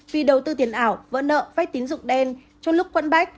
vì đầu tư tiền ảo vỡ nợ váy tín dụng đen trong lúc quẫn bách